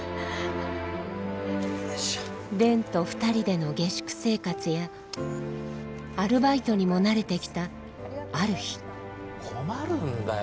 蓮と２人での下宿生活やアルバイトにも慣れてきたある日困るんだよ